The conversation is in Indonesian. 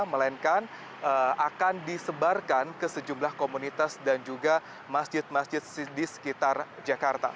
melainkan akan disebarkan ke sejumlah komunitas dan juga masjid masjid di sekitar jakarta